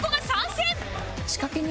仕掛け人